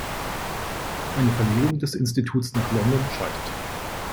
Eine Verlegung des Institutes nach London scheiterte.